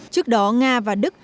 trước đó nga và đức